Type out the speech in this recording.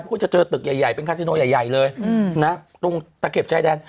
พวกเขาจะเจอตึกใหญ่ใหญ่เป็นคาซิโนใหญ่ใหญ่เลยอืมนะตรงตะเข็บชายแดน